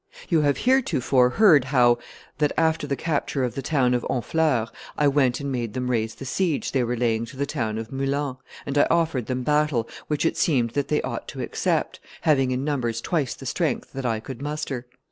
You have heretofore heard how that, after the capture of the town of Honfleur, I went and made them raise the siege they were laying to the town of Meulan, and I offered them battle, which it seemed that they ought to accept, having in numbers twice the strength that I could muster.